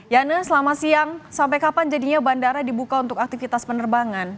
yana selama siang sampai kapan jadinya bandara dibuka untuk aktivitas penerbangan